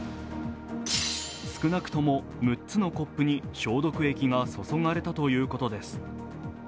少なくとも６つのコップに消毒液がそそがれたということです。